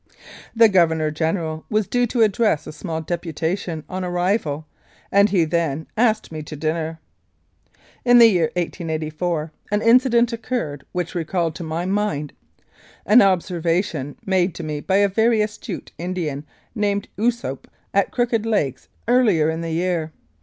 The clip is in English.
The Governor General was due to address a small deputation on arrival, and he then asked me to dinner. In the year 1884 an incident occurred which recalled to my mind an observation made to me by a very astute Indian named Osoup at Crooked Lakes earlier in the year.